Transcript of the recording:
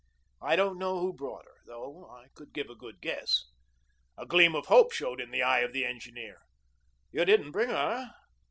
I don't know who brought her, though I could give a good guess." A gleam of hope showed in the eye of the engineer. "You didn't bring her?